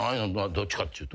どっちかっていうと。